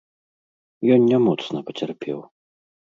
Ён не моцна пацярпеў.